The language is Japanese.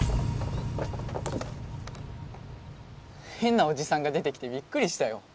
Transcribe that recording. へんなおじさんが出てきてびっくりしたよ。